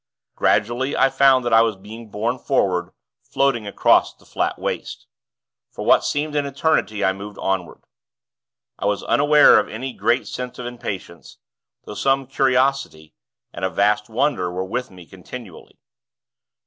Gradually, I found that I was being borne forward, floating across the flat waste. For what seemed an eternity, I moved onward. I was unaware of any great sense of impatience; though some curiosity and a vast wonder were with me continually.